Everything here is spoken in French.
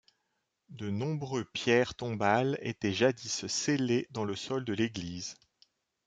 De nombreux pierres tombales étaient jadis scellées dans le sol de l'église.